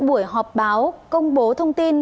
buổi họp báo công bố thông tin